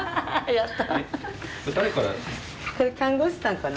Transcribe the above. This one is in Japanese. やった。